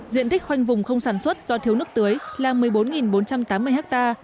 diện tích khoanh vùng không sản xuất do thiếu nước tưới là một mươi bốn bốn trăm tám mươi ha